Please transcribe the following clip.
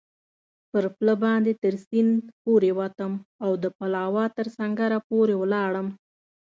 پر پله باندې تر سیند پورېوتم او د پلاوا تر سنګره پورې ولاړم.